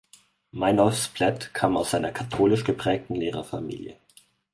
Meinolf Splett kam aus einer katholisch geprägten Lehrerfamilie.